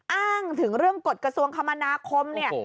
อ้างถึงเรื่องกฎกระทรวงคมนาคมเนี่ย